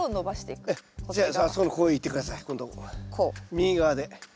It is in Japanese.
右側で。